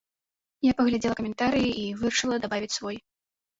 Я паглядзела каментарыі і вырашыла дабавіць свой.